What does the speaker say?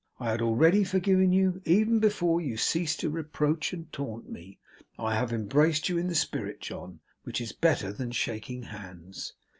I had already forgiven you, even before you ceased to reproach and taunt me. I have embraced you in the spirit, John, which is better than shaking hands.